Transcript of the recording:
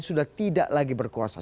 sudah tidak lagi berkuasa